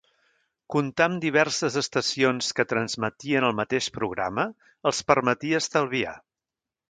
Comptar amb diverses estacions que transmetien el mateix programa els permetia estalviar.